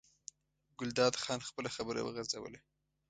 ګلداد خان خپله خبره وغځوله.